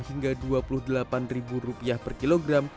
hingga dua puluh delapan ribu rupiah per kilogram